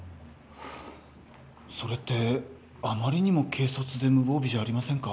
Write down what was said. それってあまりにも軽率で無防備じゃありませんか？